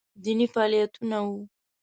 دیني فعالیتونه وو